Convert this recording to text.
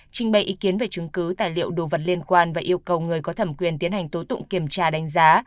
trình bày ý kiến về chứng cứ tài liệu đồ vật liên quan và yêu cầu người có thẩm quyền tiến hành tố tụng kiểm tra đánh giá